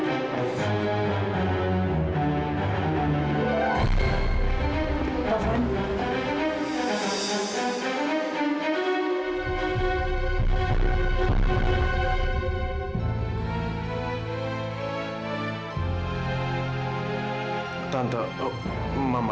jangan lupa jika sudah nyanyikan